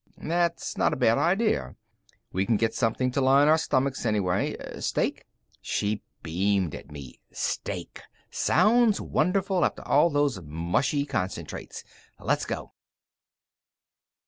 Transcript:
"That's not a bad idea. We can get something to line our stomachs, anyway. Steak?" She beamed up at me. "Steak. Sounds wonderful after all those mushy concentrates. Let's go."